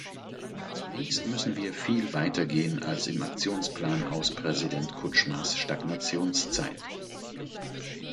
Zunächst müssen wir viel weiter gehen als im Aktionsplan aus Präsident Kutschmas Stagnationszeit.